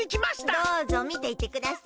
どうぞみていってください。